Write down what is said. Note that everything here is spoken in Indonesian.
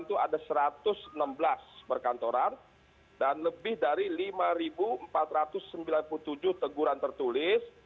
itu ada satu ratus enam belas perkantoran dan lebih dari lima empat ratus sembilan puluh tujuh teguran tertulis